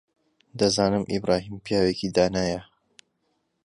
دەزانم ئیبراهیم پیاوێکی دانایە.